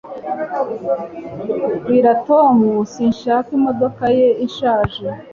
Bwira Tom sinshaka imodoka ye ishaje